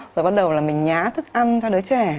rồi bắt đầu là mình nhá thức ăn cho đứa trẻ